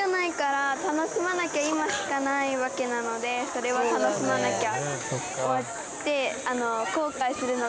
それは楽しまなきゃ。